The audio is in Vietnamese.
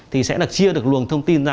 thì sẽ chia được luồng thông tin ra